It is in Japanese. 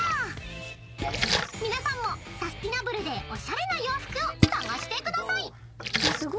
［皆さんもサスティナブルでおしゃれな洋服を探してください！］